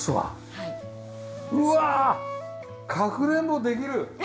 うわかくれんぼできる！